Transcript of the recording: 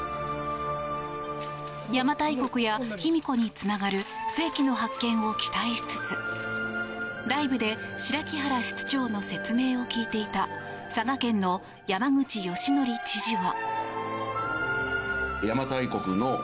邪馬台国や卑弥呼につながる世紀の発見を期待しつつライブで白木原室長の説明を聞いていた佐賀県の山口祥義知事は。